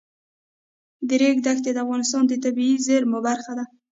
د ریګ دښتې د افغانستان د طبیعي زیرمو برخه ده.